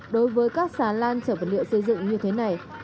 đối với các xà lan chở vật liệu xây dựng như thế này